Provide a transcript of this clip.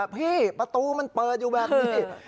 พี่ประตูมันเปิดอยู่แบบนี้